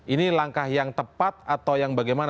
ini langkah yang tepat atau yang bagaimana